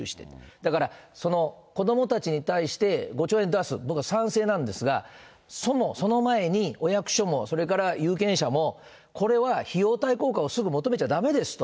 だから、その子どもたちに対して５兆円出す、僕は賛成なんですが、その前に、お役所も、それから有権者もこれは費用対効果をすぐ求めちゃだめですと。